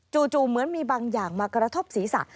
เหมือนมีบางอย่างมากระทบศีรษะ